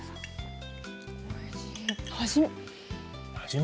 おいしい。